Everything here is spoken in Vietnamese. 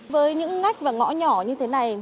với những ngách và ngõ nhỏ như thế này